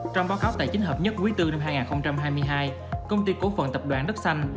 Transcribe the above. trong báo cáo tài chính hợp nhất quý bốn năm hai nghìn hai mươi hai công ty cổ phần tập đoàn đất xanh